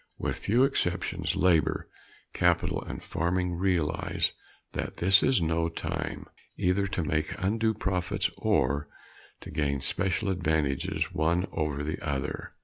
With few exceptions, labor, capital and farming realize that this is no time either to make undue profits or to gain special advantages, one over the other.